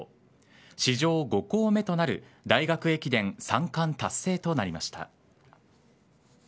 史上５校目となる大学駅伝三冠達成となりました。